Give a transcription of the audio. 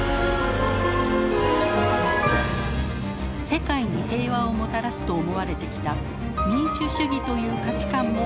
世界に平和をもたらすと思われてきた民主主義という価値観も揺らいでいます。